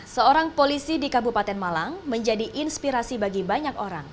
seorang polisi di kabupaten malang menjadi inspirasi bagi banyak orang